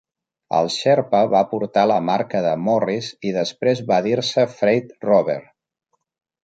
El "Sherpa" va portar la marca de Morris i després va dir-se Freight Rover.